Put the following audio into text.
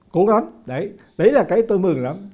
cố gắng đấy là cái tôi mừng lắm